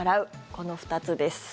この２つです。